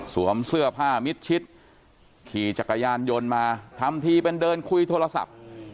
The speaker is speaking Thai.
เสื้อผ้ามิดชิดขี่จักรยานยนต์มาทำทีเป็นเดินคุยโทรศัพท์